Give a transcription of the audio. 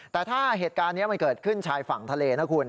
แต่ถ้าเหตุการณ์นี้มันเกิดขึ้นชายฝั่งทะเลนะคุณ